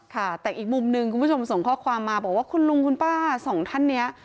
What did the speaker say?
ค่ะแต่อีกมุมหนึ่งคุณผู้ชมส่งข้อความมาบอกว่าคุณลุงคุณป้าสองท่านนี้